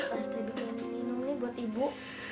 pasti ada minum nih buat ibu